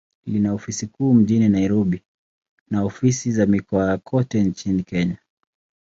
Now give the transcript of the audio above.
Lina ofisi kuu mjini Nairobi, na ofisi za mikoa kote nchini Kenya.